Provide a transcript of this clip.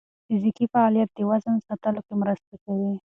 فزیکي فعالیت د وزن ساتلو کې مرسته کوي.